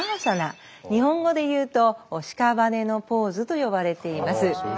日本語で言うと屍のポーズと呼ばれています。